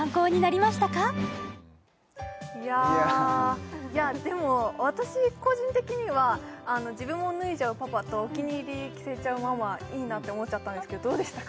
いやいやでも私個人的には自分も脱いじゃうパパとお気に入り着せちゃうママいいなって思っちゃったんですけどどうでしたか？